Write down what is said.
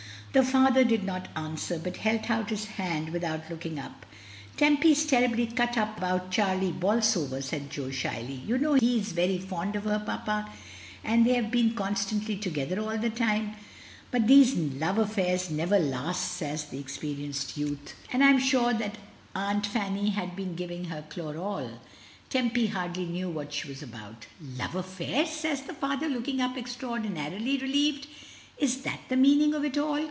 The father did not answer, but held out his hand without looking up. "Tempy is terribly cut up about Charlie Bolsover," said Jo, shyly. "You know he is very fond of her, papa, and they have been constantly together all this time. But these love affairs never last," says the experienced youth, 15* 228 MRS. DYMOND. "and Fm sure Aunt Fanny had been giving her chloral. Tempy hardly knew what she was about" "Love affairs!" says the father, looking up extra ordinarily relieved. "Is that the meaning of it all?